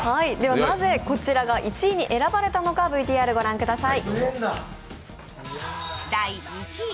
なぜこちらが１位に選ばれたのか、ＶＴＲを御覧ください。